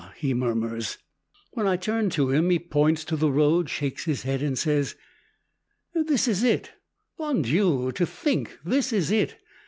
he murmurs. When I turn to him he points to the road, shakes his head and says, "This is it, Bon Dieu, to think this is it!